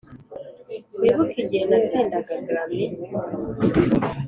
wibuke igihe natsindaga grammy